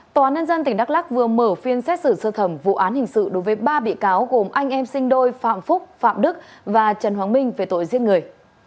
tòa án nhân dân tỉnh đắk lắc vừa mở phiên xét xử sơ thẩm vụ án hình sự đối với ba bị cáo gồm anh em sinh đôi phạm phúc phạm đức và trần hoàng minh về tội giết người